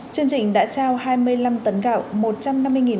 chương trình đã trao hai mươi năm tấn gạo